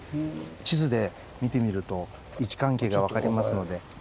地図で見てみると位置関係が分かりますので。